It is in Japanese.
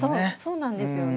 そうなんですよね。